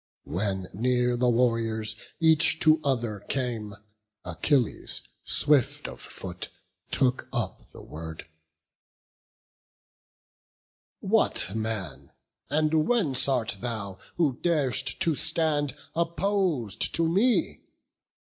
When near the warriors, each to other, came, Achilles, swift of foot, took up the word: "What man, and whence art thou, who dar'st to stand Oppos'd to me?